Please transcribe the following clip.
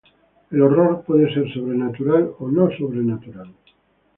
El horror puede ser sobrenatural o no sobrenatural.